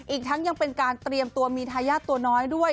อีกทั้งยังเป็นการเตรียมตัวมีทายาทตัวน้อยด้วย